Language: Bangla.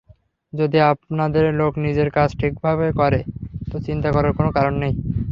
যদি আপনাদের লোক নিজের কাজ ঠিকভাবে করে, তো চিন্তা করার কোনো কারণ নেই।